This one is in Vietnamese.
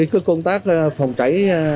cái công tác phòng cháy